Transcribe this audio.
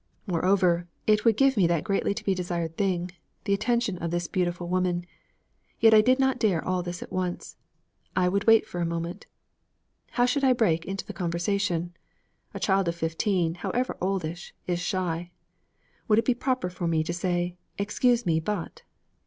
Moreover, it would give me that greatly to be desired thing, the attention of this beautiful woman. Yet I did not dare all this at once. I would wait a moment. How should I break into the conversation? A child of fifteen, however oldish, is shy. Would it be proper for me to say, 'Excuse me, but